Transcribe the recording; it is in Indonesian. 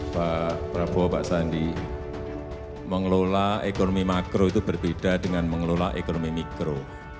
pak prabowo pak sandi mengelola ekonomi makro itu berbeda dengan mengelola ekonomi mikro